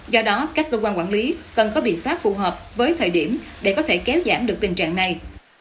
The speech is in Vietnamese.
do đó các cơ quan quản lý cần có biện pháp phù hợp với thời điểm để có thể kéo giảm được tình trạng này